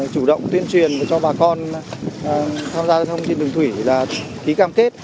chủ động tuyên truyền cho bà con tham gia giao thông trên đường thủy là ký cam kết